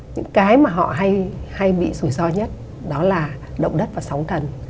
những cái mà họ hay bị rủi ro nhất đó là động đất và sóng thần